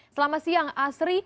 selama siang asri